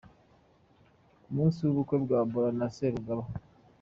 Ku munsi w'ubukwe bwa Bora na Serugaba.